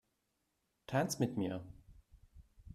Tanz mit mir!